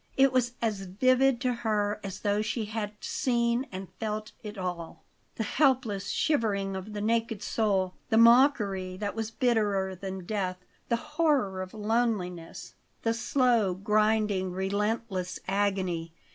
It was as vivid to her as though she had seen and felt it all; the helpless shivering of the naked soul, the mockery that was bitterer than death, the horror of loneliness, the slow, grinding, relentless agony.